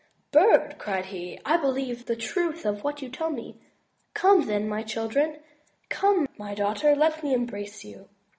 "Bird," cried he, " I believe the truth of what you tell me. Come, then, my children: come, my daughter, let me embrace you."